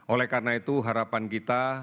oleh karena itu harapan kita